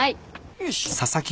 よし！